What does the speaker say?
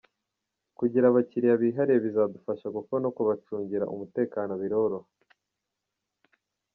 Kugira abakiliya bihariye bizadufasha kuko no kubacungira umutekano biroroha.